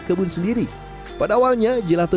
kebun sendiri pada awalnya gelato